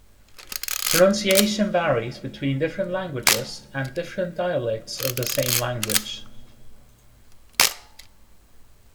Pronunciation varies between different languages, and different dialects of the same language.